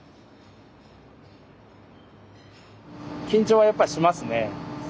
緊張はやっぱしますね。